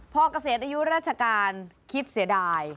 พอเกษียณอายุราชการคิดเสียดาย